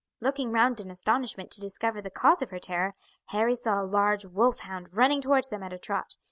Looking round in astonishment to discover the cause of her terror, Harry saw a large wolf hound running towards them at a trot.